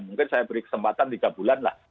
mungkin saya beri kesempatan tiga bulan lah